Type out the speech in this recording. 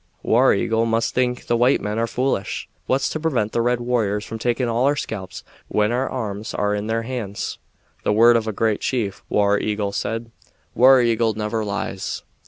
"War Eagle must think the white men are foolish. What's to prevent the red warriors from taking all our scalps when our arms are in their hands?" "The word of a great chief," War Eagle said. "War Eagle never lies."